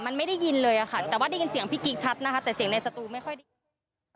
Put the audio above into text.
มันไม่ได้ยินเลยอะค่ะแต่ว่าได้ยินเสียงพี่กิ๊กชัดนะคะแต่เสียงในสตูไม่ค่อยได้ยิน